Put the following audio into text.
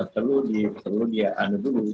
perlu diandalkan dulu